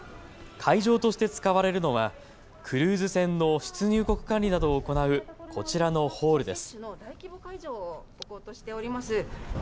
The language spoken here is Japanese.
会場として使われるのはクルーズ船の出入国管理などを行う、こちらのホールです。